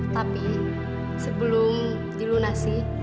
tapi sebelum dilunasi